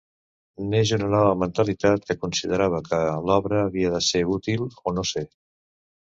Neix una nova mentalitat que considerava que l'obra havia de ser útil o no ser.